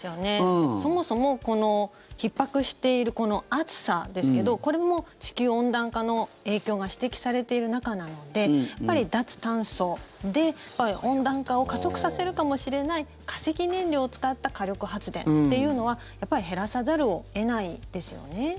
そもそも、ひっ迫しているこの暑さですけどこれも地球温暖化の影響が指摘されている中なのでやっぱり脱炭素で温暖化を加速させるかもしれない化石燃料を使った火力発電というのは減らさざるを得ないですよね。